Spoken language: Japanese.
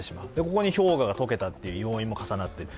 ここに氷河が解けたという要因も重なっている。